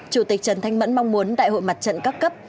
chủ tịch trần thanh mẫn mong muốn đại hội mặt trận các cấp